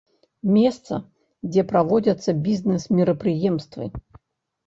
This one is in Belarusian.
Месца, дзе праводзяцца бізнес-мерапрыемствы.